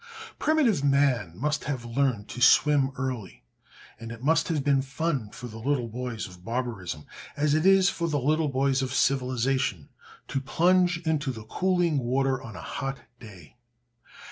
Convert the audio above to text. Primitive man must have learned to swim early, and it must have been fun for the little boys of barbarism, as it is for the little boys of civilization, to plunge into the cooling water on a hot day.